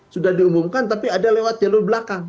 sudah diumumkan tapi ada lewat jalur belakang